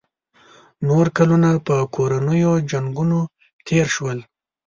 نور کلونه په کورنیو جنګونو تېر شول.